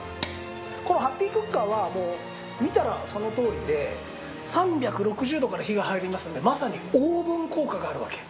このハッピークッカーは見たらそのとおりで３６０度から火が入りますのでまさにオーブン効果があるわけ。